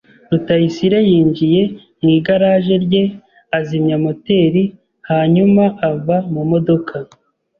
Rutayisire yinjiye mu igaraje rye, azimya moteri, hanyuma ava mu modoka.